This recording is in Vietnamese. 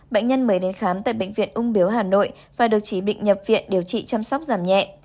bệnh nhân mới đến khám tại bệnh viện ung biếu hà nội và được chỉ định nhập viện điều trị chăm sóc giảm nhẹ